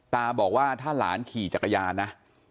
ตาบอกว่าถ้าหลานขี่จักรยานนะ